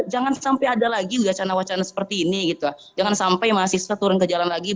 jangan sampai ada lagi wacana wacana seperti ini gitu jangan sampai mahasiswa turun ke jalan lagi